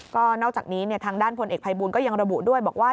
ก็นอกจากนี้ทางด้านพลเอกภัยบูลก็ยังระบุด้วยบอกว่า